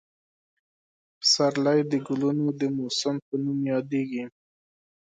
پسرلی د ګلونو د موسم په نوم یادېږي.